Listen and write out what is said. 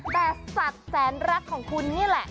แต่สัตว์แสนรักของคุณนี่แหละ